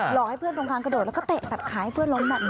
ให้เพื่อนตรงกลางกระโดดแล้วก็เตะตัดขายให้เพื่อนล้มแบบนี้